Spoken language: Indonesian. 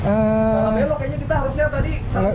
akan dikirim dengan motorangle pengganti